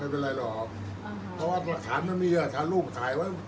อันไหนที่มันไม่จริงแล้วอาจารย์อยากพูด